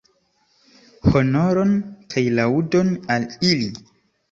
Honoron kaj laŭdon al ili!